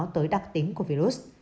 tới đặc tính của virus